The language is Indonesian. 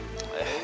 udah kita balik deh